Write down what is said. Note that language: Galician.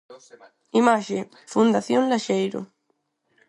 Imaxe: Fundación Laxeiro.